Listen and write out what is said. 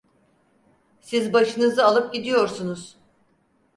Siz başınızı alıp gidiyorsunuz.